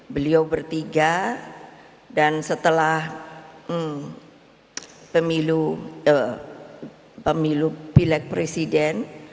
beliau bertiga dan setelah pemilu pilek presiden